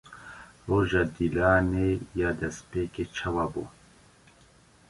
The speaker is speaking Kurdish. Roja Dîlanê ya destpêkê çawa bû?